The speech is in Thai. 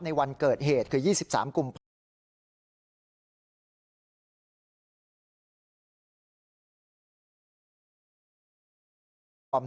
ในวันเกิดเหตุคือ๒๓กุม